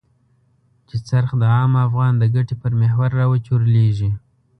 چې څرخ د عام افغان د ګټې پر محور را وچورليږي.